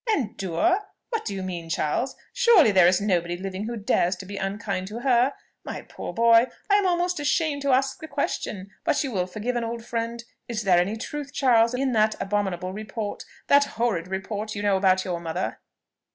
"Endure? What do you mean, Charles? Surely there is nobody living who dares to be unkind to her? My poor boy, I am almost ashamed to ask the question, but you will forgive an old friend: is there any truth, Charles, in that abominable report? that horrid report, you know, about your mother?"